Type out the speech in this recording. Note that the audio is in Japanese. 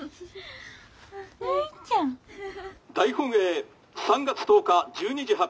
「大本営３月１０日１２時発表。